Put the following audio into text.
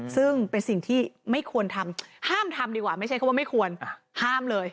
ซึ่งเป็นสิ่งที่ไม่ควรทำห้ามทำดีกว่าไม่ใช่คำว่าไม่ควรห้ามเลย